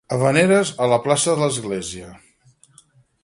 Havaneres a la plaça de l'església.